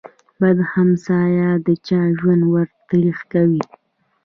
بد همسایه د چا ژوند ور تريخ کوي.